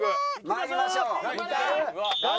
参りましょう。